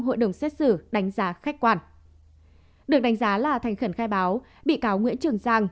hội đồng xét xử đánh giá khách quan được đánh giá là thành khẩn khai báo bị cáo nguyễn trường giang